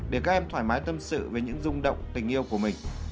để các em thoải mái tâm sự về những rung động tình yêu của mình